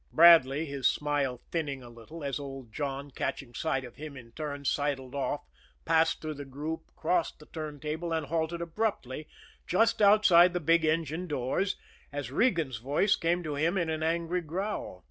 Bradley, his smile thinning a little as old John, catching sight of him in turn, sidled off, passed through the group, crossed the turntable and halted abruptly, just outside the big engine doors, as Regan's voice came to him in an angry growl.